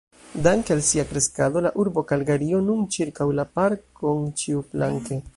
Danke al sia kreskado, la urbo Kalgario nun ĉirkaŭ la parkon ĉiuflanke.